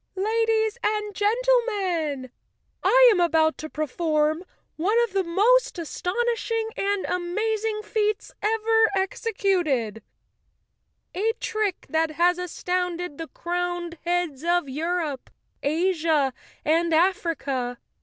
"Ladies and gen¬ tlemen, I am about to perform one of the most aston¬ ishing and amazing feats ever executed—a trick that has astounded the crowned heads of Europe, Asia and Africa.